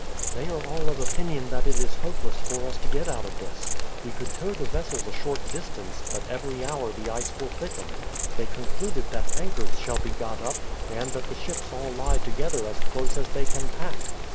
"They are all of opinion that it is hopeless for us to get out of this. We could tow the vessels a short distance, but every hour the ice will thicken. They concluded that anchors shall be got up, and that the ships all lie together as close as they can pack."